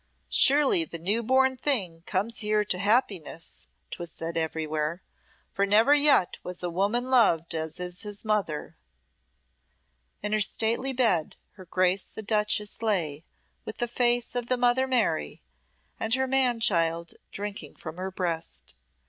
"Surely the new born thing comes here to happiness," 'twas said everywhere, "for never yet was woman loved as is his mother." In her stately bed her Grace the duchess lay, with the face of the Mother Mary, and her man child drinking from her breast.